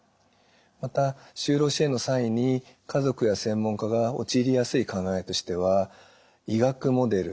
また就労支援の際に家族や専門家が陥りやすい考えとしては医学モデル